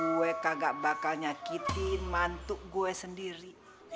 gua kagak bakal nyakitin mantuk gua sendiri